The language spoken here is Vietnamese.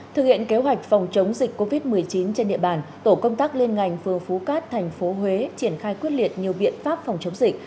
trên kế hoạch phòng chống dịch covid một mươi chín trên địa bàn tổ công tác liên ngành phường phú cát thành phố huế triển khai quyết liệt nhiều biện pháp phòng chống dịch